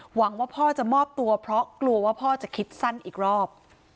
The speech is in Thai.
หวังว่าพ่อจะมอบตัวเพราะกลัวว่าพ่อจะคิดสั้นอีกรอบ